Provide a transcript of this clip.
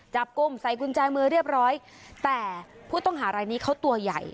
จับกลุ่มใส่กุญแจมือเรียบร้อยแต่ผู้ต้องหารายนี้เขาตัวใหญ่